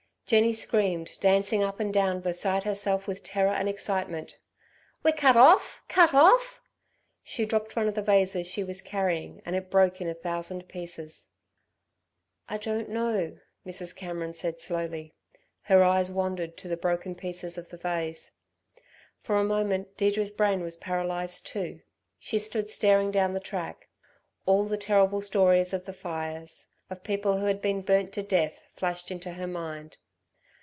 Jenny screamed, dancing up and down, beside herself with terror and excitement: "We're cut off! Cut off!" She dropped one of the vases she was carrying, and it broke in a thousand pieces. "I don't know," Mrs. Cameron said slowly. Her eyes wandered to the broken pieces of the vase. For a moment Deirdre's brain was paralysed too. She stood staring down the track. All the terrible stories of the fires, of people who had been burnt to death, flashed into her mind.